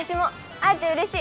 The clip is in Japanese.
会えてうれしい。